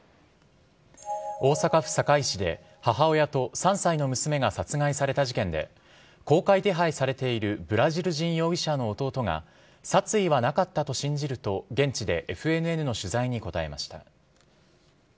大阪府堺市で母親と３歳の娘が殺害された事件で公開手配されているブラジル人容疑者の弟が殺意はなかったと信じると現地でＦＮＮの取材に答えました。